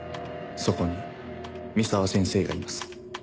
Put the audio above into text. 「そこに三沢先生がいます」